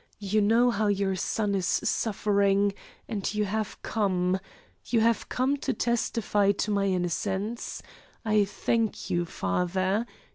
You know how your son is suffering, and you have come you have come to testify to my innocence. I thank you, father.